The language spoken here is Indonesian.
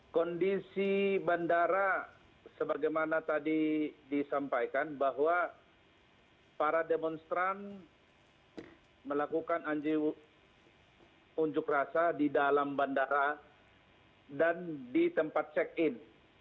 kondisi bandara sebagaimana tadi disampaikan bahwa para demonstran melakukan unjuk rasa di dalam bandara dan di tempat check in